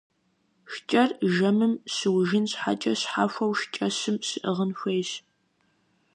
ШкӀэр жэмым щыужын щхьэкӀэ щхьэхуэу шкӀэщым щыӀыгъын хуейщ.